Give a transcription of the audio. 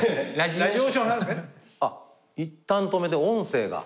あっいったん止めて音声が。